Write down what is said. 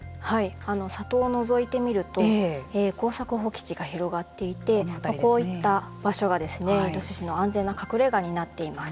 里をのぞいてみると耕作放棄地が広がっていてこういった場所がイノシシの安全な隠れ家になっています。